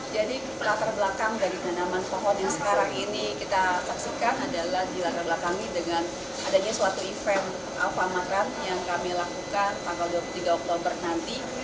jadi latar belakang dari penanaman pohon yang sekarang ini kita saksikan adalah di latar belakang ini dengan adanya suatu event alphamart run yang kami lakukan tanggal dua puluh tiga oktober nanti